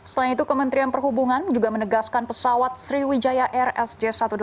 selain itu kementerian perhubungan juga menegaskan pesawat sriwijaya rsj satu ratus delapan puluh